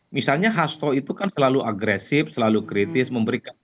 misalnya hasto itu kan selalu agresif selalu kritis memberikan